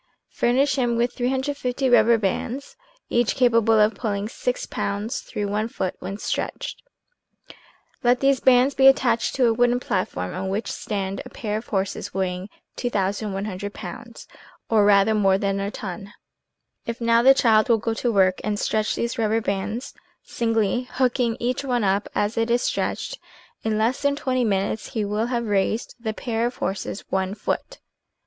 Furnish him with 350 rubber bands, each capable of pulling six pounds through one foot when stretched. Let these bands 132 THE SEVEN FOLLIES OF SCIENCE be attached to a wooden platform on which stand a pair of horses weighing 2,100 Ibs., or rather more than a ton. If now the child will go to work and stretch these rubber bands, singly, hooking each one up, as it is stretched, in less than twenty minutes he will have raised the pair of horses one foot